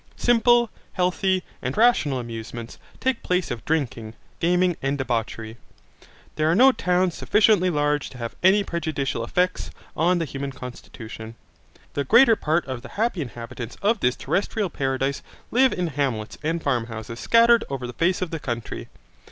Simple, healthy, and rational amusements take place of drinking, gaming, and debauchery. There are no towns sufficiently large to have any prejudicial effects on the human constitution. The greater part of the happy inhabitants of this terrestrial paradise live in hamlets and farmhouses scattered over the face of the country.